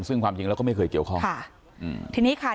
ซึ่งความจริงแล้วก็ไม่เคยเกี่ยวข้องค่ะอืมทีนี้ค่ะ